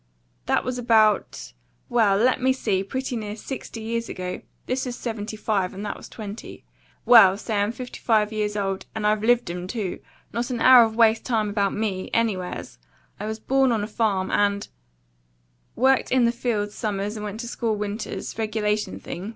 That was about well, let me see! pretty near sixty years ago: this is '75, and that was '20. Well, say I'm fifty five years old; and I've LIVED 'em, too; not an hour of waste time about ME, anywheres! I was born on a farm, and " "Worked in the fields summers and went to school winters: regulation thing?"